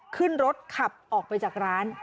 ขึ้นรถขับออกไปจากร้าน